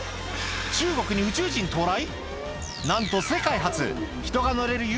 中国に宇宙人到来？